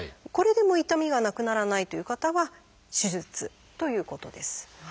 これでも痛みがなくならないという方は「手術」ということです。